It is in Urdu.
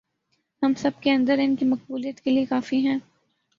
ہم سب کے اندر ان کی مقبولیت کے لئے کافی ہیں